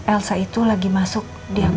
elsa itu lagi masuk di aku